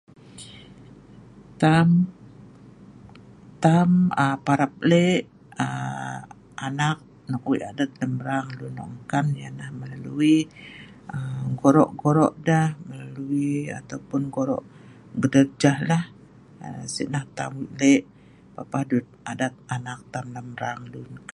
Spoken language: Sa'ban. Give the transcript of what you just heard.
tam tam aa parap lek aa anak nok weik adat lem mrang lun nok kan ialah melalui aa goro' goro' deh melalui ataupun goro' bedarjah lah aa sik nah tam lek papah dut adat anak tam dong lem rang lun